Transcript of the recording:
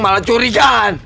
malah curi kan